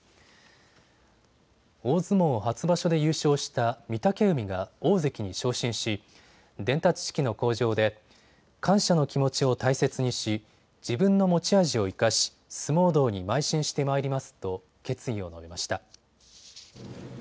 大相撲初場所で優勝した御嶽海が大関に昇進し伝達式の口上で感謝の気持ちを大切にし自分の持ち味を生かし相撲道にまい進してまいりますと決意を述べました。